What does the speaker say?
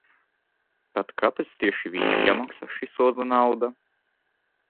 Tad kāpēc tieši viņam jāmaksā šī soda nauda?